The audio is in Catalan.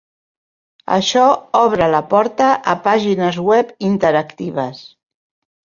Això obre la porta a pàgines web interactives.